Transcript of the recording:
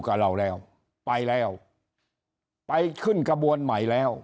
กับเราแล้วไปแล้วไปขึ้นกระบวนใหม่แล้ว